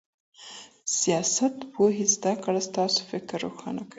د سياست پوهني زده کړه ستاسو فکر روښانه کوي.